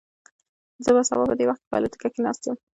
زه به سبا په دې وخت کې په الوتکه کې ناست یم.